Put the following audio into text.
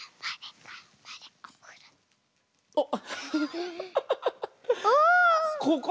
あっ！